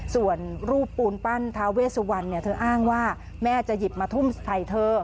ส่วนรูปปูนปั้นทาเวสวันเธออ้างว่าแม่จะหยิบมาทุ่มใส่เธอ